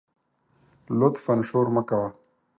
لطفآ شور مه کوه